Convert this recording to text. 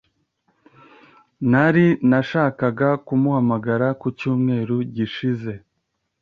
Nari nashakaga kumuhamagara ku cyumweru gishize.